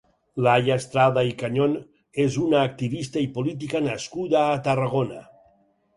Laia Estrada i Cañón és una activista i política nascuda a Tarragona.